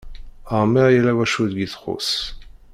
Amer yella wacu deg i txuss